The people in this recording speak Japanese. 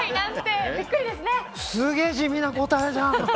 すげえ、地味な答えじゃん。